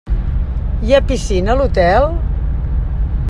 Hi ha piscina a l'hotel?